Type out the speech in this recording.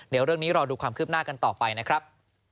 เดี๋ยวเรื่องนี้รอดูความคืบหน้ากันต่อไปนะครับ